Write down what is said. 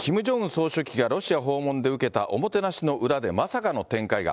総書記がロシア訪問で受けたおもてなしの裏で、まさかの展開が。